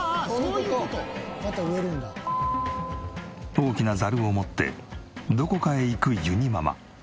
大きなザルを持ってどこかへ行くゆにママ。